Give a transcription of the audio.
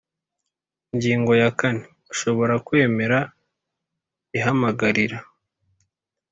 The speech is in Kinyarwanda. Ingingo ya kane Ushobora kwemera ihamagarira